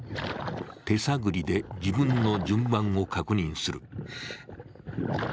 手さぐりで自分の順番を確認する。